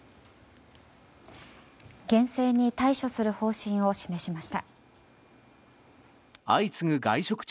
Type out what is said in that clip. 厳正に対処する方針を示しました。